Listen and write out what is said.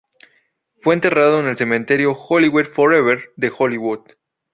Fue enterrado en el Cementerio Hollywood Forever de Hollywood.